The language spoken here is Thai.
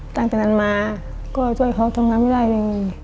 ต่างจากนั้นมาก็ช่วยเขาทำงานไม่ได้เลย